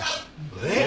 えっ？